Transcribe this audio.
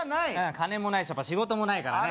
金もないし仕事もないからね